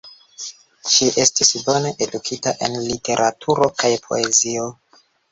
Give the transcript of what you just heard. Ŝi estis bone edukita en literaturo kaj poezio.